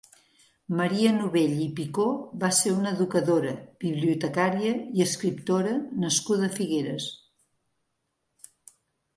Maria Novell i Picó va ser una educadora, bibliotecària i escriptora nascuda a Figueres.